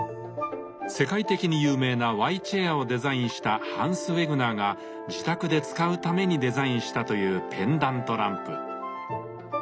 世界的に有名なＹチェアをデザインしたハンス・ウェグナーが自宅で使うためにデザインしたというペンダントランプ。